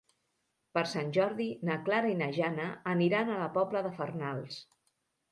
Per Sant Jordi na Clara i na Jana aniran a la Pobla de Farnals.